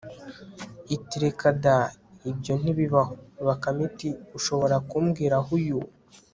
iti reka da, ibyo ntibibaho! bakame iti ushobora kumbwira aho uyu